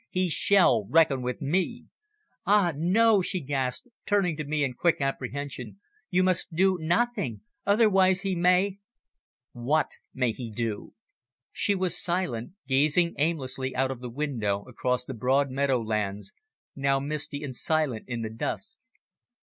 "He shall reckon with me." "Ah no!" she gasped, turning to me in quick apprehension. "You must do nothing. Otherwise he may " "What may he do?" She was silent, gazing aimlessly out of the window across the broad meadow lands, now misty and silent in the dusk.